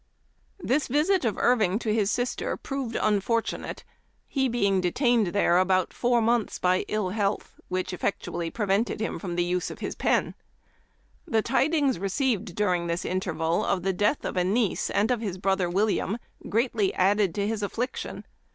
Memoir of Washington Irving. in fortunate, he being detained there about four months by ill health, which effectually prevented him from the use of his pen. The tidings re ceived during this interval, of the death of a niece and of his brother William, greatly added to his affliction.